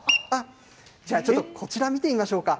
じゃあちょっと、こちら見てみましょうか。